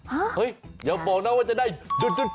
เฮ้ยอย่าบอกนะว่าจะได้หยุด